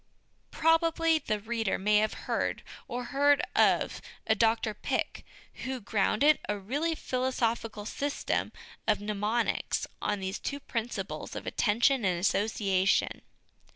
Probably the reader may have heard, or heard of, a Dr Pick, who grounded a really philosophical system of mnemonics on these two principles of attention and association.